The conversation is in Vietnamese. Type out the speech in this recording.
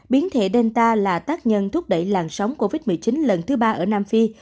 biến thể delta là tác nhân thúc đẩy làn sóng covid một mươi chín lần thứ ba ở nam phi